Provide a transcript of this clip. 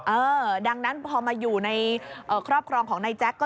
เออดังนั้นพอมาอยู่ในครอบครองของนายแจ๊คก็